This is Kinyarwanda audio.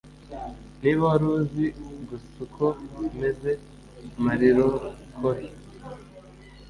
Niba wari uzi gusa uko meze. (Marloncori)